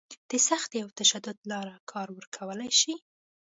د سختي او تشدد لاره کار ورکولی شي.